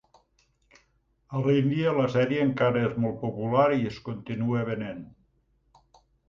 A l'Índia la sèrie encara és molt popular i es continua venent.